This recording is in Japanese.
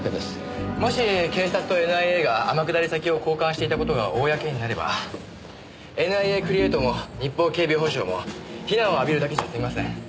もし警察とＮＩＡが天下り先を交換していた事が公になればＮＩＡクリエイトも日邦警備保障も非難を浴びるだけじゃ済みません。